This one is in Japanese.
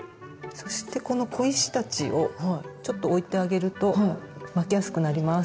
そしてこの小石たちをちょっと置いてあげると巻きやすくなります。